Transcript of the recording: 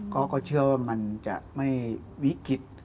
เขาก็เชื่อว่ามันจะไม่วิกฤต